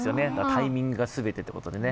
タイミングが全てってことでね。